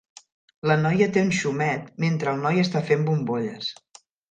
La noia té un xumet mentre el noi està fent bombolles